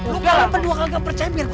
lu kenapa kedua kagak percaya mirip gua